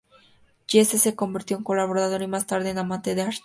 Giese se convirtió en colaborador y más tarde en amante de Hirschfeld.